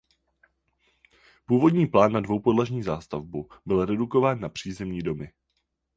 Původní plán na dvoupodlažní zástavbu byl redukován na přízemní domy.